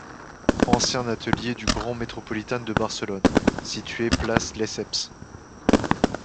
Anciens ateliers du Grand métropolitain de Barcelone, situés Place Lesseps.